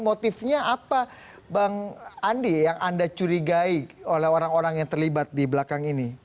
motifnya apa bang andi yang anda curigai oleh orang orang yang terlibat di belakang ini